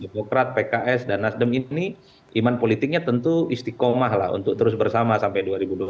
demokrat pks dan nasdem ini iman politiknya tentu istiqomah lah untuk terus bersama sampai dua ribu dua puluh empat